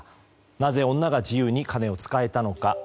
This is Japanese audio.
なぜ女が自由に金を使えたのか。